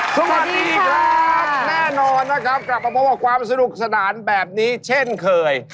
สวัสดีครับแน่นอนนะครับกลับมาพบกับความสนุกสนานแบบนี้เช่นเคย